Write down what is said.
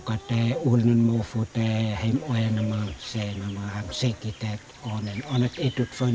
keduanya tidak terpisahkan dari cati diri mereka sebagai orang dawan